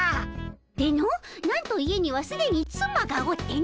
でのなんと家にはすでにつまがおっての。